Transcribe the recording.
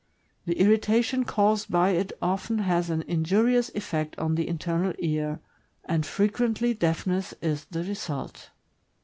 The irritation caused by it often has an injurious effect on the internal ear, and frequently deafness is the result.